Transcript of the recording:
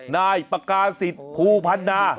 นายปากาศิษย์ภูพันนา